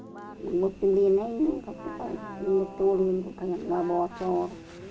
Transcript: nunggu tidinya ini nunggu dulu nunggu kayak nggak bocor